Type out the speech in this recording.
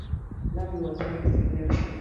Lavery was raised in Yorkshire.